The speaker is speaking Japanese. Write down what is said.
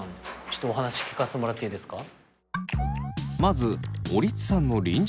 ちょっとお話聞かせてもらっていいですか？